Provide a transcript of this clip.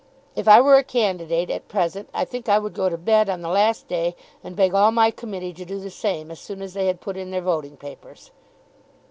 If I were a candidate, at present, I think I would go to bed on the last day, and beg all my committee to do the same as soon as they had put in their voting papers."